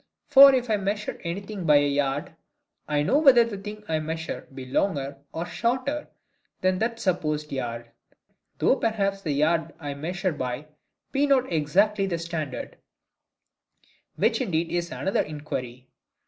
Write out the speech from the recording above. For if I measure anything by a yard, I know whether the thing I measure be longer or shorter than that supposed yard, though perhaps the yard I measure by be not exactly the standard: which indeed is another inquiry.